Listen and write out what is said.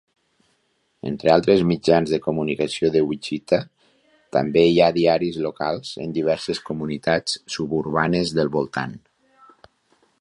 Entre altres mitjans de comunicació de Wichita, també hi ha diaris locals en diverses comunitats suburbanes del voltant.